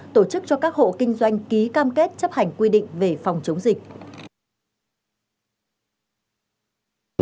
tổ chức cho các hộ kinh doanh ký cam kết chấp hành quy định về phòng chống dịch